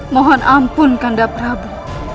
mohon ampun kanda prabu